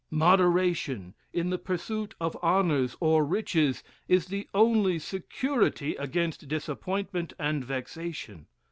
"Moderation, in the pursuit of honors or riches, is the only security against disappointment and vexation.